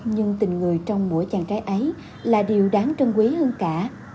nhưng tình người trong mỗi chàng trai ấy là điều đáng trân quý hơn cả